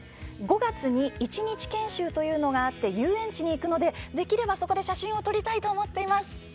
５月に一日研修というのがあって遊園地に行くのでできれば、そこで写真を撮りたいと思っています」。